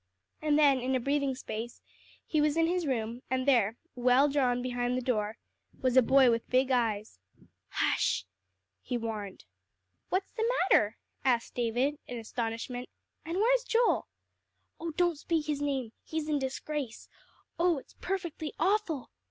And then, in a breathing space he was in his room, and there, well drawn behind the door, was a boy with big eyes. "Hush" he warned. "What's the matter?" asked David in astonishment, "and where's Joel?" "Oh, don't speak his name; he's in disgrace. Oh, it's perfectly awful!"